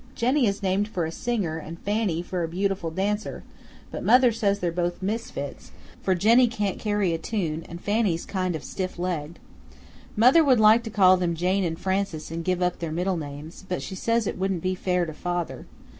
Jenny is named for a singer and Fanny for a beautiful dancer, but mother says they're both misfits, for Jenny can't carry a tune and Fanny's kind of stiff legged. Mother would like to call them Jane and Frances and give up their middle names, but she says it wouldn't be fair to father.